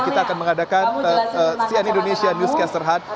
kita akan mengadakan cn indonesia newscast